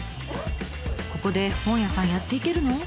ここで本屋さんやっていけるの？